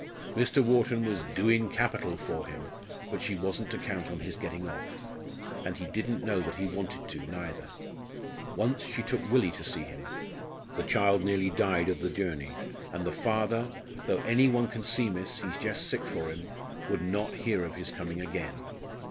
Mr. Wharton was "doin' capital" for him; but she wasn't to count on his getting off. And he didn't know that he wanted to, neither. Once she took Willie to see him; the child nearly died of the journey; and the father, "though any one can see, miss, he's just sick for 'im," would not hear of his coming again.